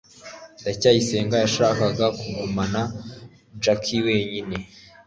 ndacyayisenga yashakaga kugumana jaki wenyine